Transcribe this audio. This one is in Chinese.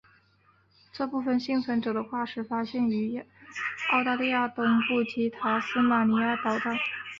这部分幸存者的化石发现于澳大利亚东部及塔斯马尼亚岛上。